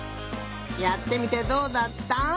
やってみてどうだった？